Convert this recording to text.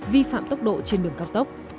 vi phạm tốc độ trên đường cao tốc